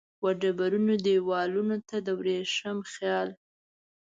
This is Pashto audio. وډبرینو دیوالونو ته د وریښم خیال